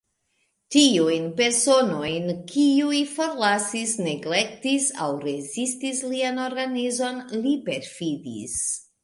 Tiujn personojn, kiuj forlasis, neglektis aŭ rezistis lian organizon, li perfidis.